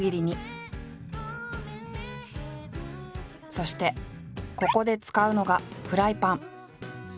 そしてここで使うのがフライパン。